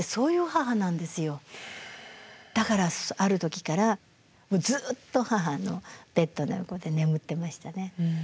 だからある時からずっと母のベッドの横で眠ってましたね。